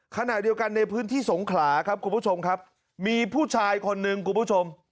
ขณะเดียวกันในพื้นที่สงขลาครับคุณผู้ชมครับมีผู้ชายคนหนึ่งคุณผู้ชม